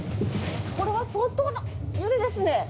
これは相当な揺れですね。